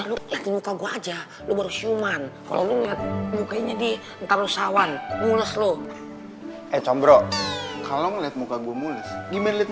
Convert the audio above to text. ancol saya tidak bertindak